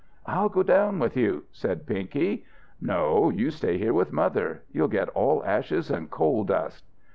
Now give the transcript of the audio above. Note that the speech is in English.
"I'll go down with you," said Pinky. "No, you stay up here with mother. You'll get all ashes and coal dust."